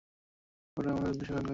ওরা আমাদের উদ্দেশ্যে গান গাইছে!